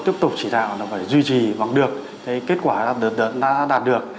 tiếp tục chỉ đạo là phải duy trì bằng được kết quả đợt đã đạt được